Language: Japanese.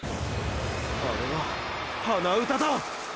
あれは鼻歌だ！！